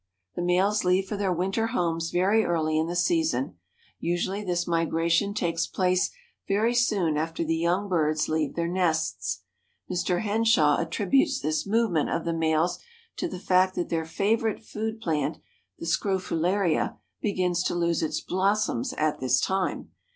The males leave for their winter homes very early in the season. Usually this migration takes place very soon after the young birds leave their nests. Mr. Henshaw attributes this movement of the males to the fact that their favorite food plant, the Scrophularia, begins to lose its blossoms at this time.